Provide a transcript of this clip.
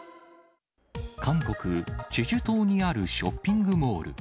韓国・チェジュ島にあるショッピングモール。